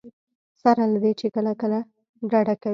سره له دې چې کله کله ډډه کوي.